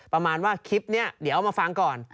ประมาณว่าคลิปนี้เดี๋ยวเอามาฟังก่อน